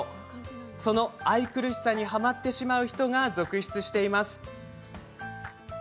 その愛くるしさにはまってしまう人が続出しています。